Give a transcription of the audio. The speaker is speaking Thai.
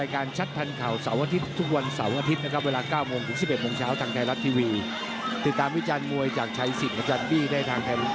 ออกอากาศทุกวันเสาร์และวันอาทิตย์